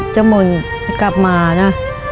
จำนวนกลับมานะ